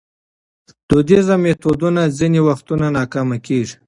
دودیز میتودونه ځینې وختونه ناکامه کېږي.